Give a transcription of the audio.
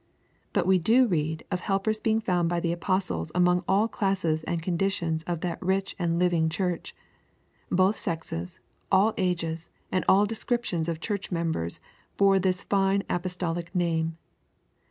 But we do read of helpers being found by the apostle among all classes and conditions of that rich and living church; both sexes, all ages, and all descriptions of church members bore this fine apostolic name.